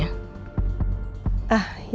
jadi bingung jawabnya